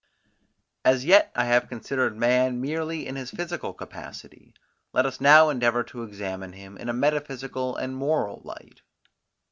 As yet I have considered man merely in his physical capacity; let us now endeavour to examine him in a metaphysical and moral light.